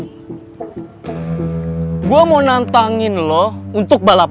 tidak usah nanti ibu ajak